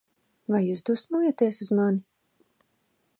Vai jūs dusmojaties uz mani?